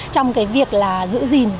trong cái việc là giữ gìn và giải quyết